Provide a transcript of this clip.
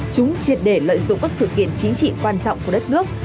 chúng triệt để lợi dụng các sự kiện chính trị quan trọng của đất nước